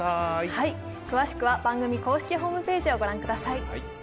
はい詳しくは番組公式ホームページをご覧ください